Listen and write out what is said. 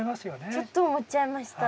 ちょっと思っちゃいました。